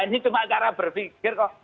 ini cuma cara berpikir kok